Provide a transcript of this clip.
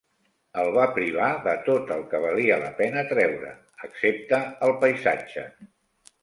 El va privar de tot el que valia la pena treure, excepte el paisatge.